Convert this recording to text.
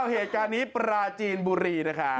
เหตุการณ์นี้ปราจีนบุรีนะคะ